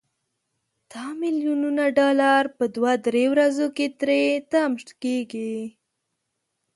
دا ملیونونه ډالر په دوه درې ورځو کې تري تم کیږي.